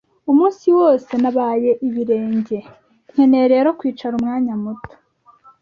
Umunsi wose nabaye ibirenge, nkeneye rero kwicara umwanya muto.